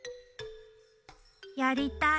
やりたい。